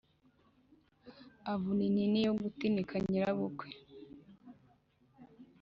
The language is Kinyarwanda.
avuna intini yo gutinika nyirabukwe